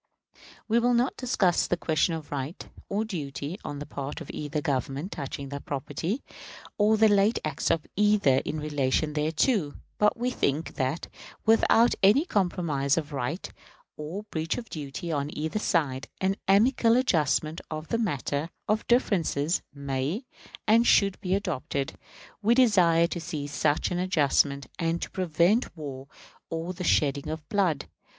We will not discuss the question of right or duty on the part of either Government touching that property, or the late acts of either in relation thereto; but we think that, without any compromise of right or breach of duty on either side, an amicable adjustment of the matter of differences may and should be adopted. We desire to see such an adjustment, and to prevent war or the shedding of blood.